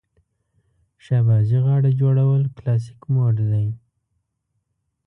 شهبازي غاړه جوړول کلاسیک موډ دی.